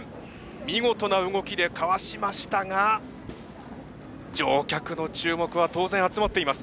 見事な動きでかわしましたが乗客の注目は当然集まっています。